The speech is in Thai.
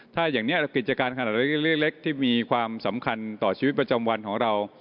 ถ้าอย่างนี้กิจการขนาดเล็กที่มีความสำคัญต่อชีวิตประจำวันของเรา